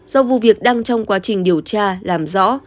do vụ việc đang trong quá trình điều tra làm rõ